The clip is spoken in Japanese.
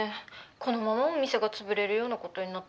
このままお店が潰れるようなことになったら。